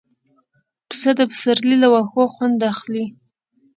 پسه د پسرلي له واښو خوند اخلي.